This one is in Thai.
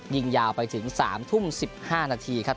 ยิงยาวไปถึง๓ทุ่ม๑๕นาทีครับ